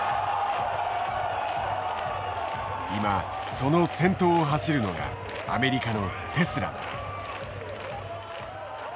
今その先頭を走るのがアメリカのテスラだ。